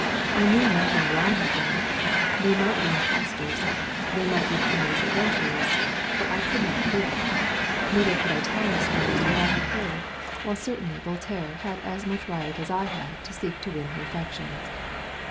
I knew nothing wrong of them. They might be impostors, they might be penniless adventurers, but I could not prove it. Neither could I tell Miss Forrest what I had heard, while certainly Voltaire had as much right as I had to seek to win her affections.